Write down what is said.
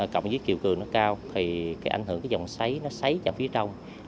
cộng với chiều cường nó cao thì cái ảnh hưởng cái dòng xáy nó xáy vào phía trong